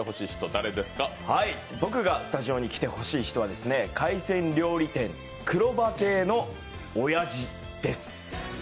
僕がスタジオに来てほしい人は海鮮料理店くろば亭のおやじです。